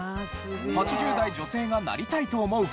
８０代女性がなりたいと思う顔